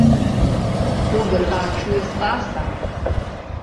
Klub rváčů je spása!